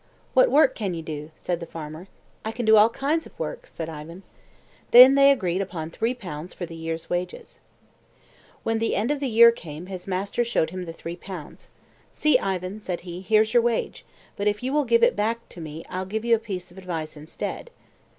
"What work can ye do?" said the farmer. "I can do all kinds of work," said Ivan. Then they agreed upon three pounds for the year's wages. When the end of the year came his master showed him the three pounds. "See, Ivan," said he, "here's your wage; but if you will give it me back I'll give you a piece of advice instead."